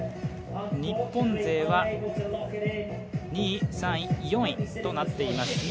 日本勢は２位、３位、４位となっています。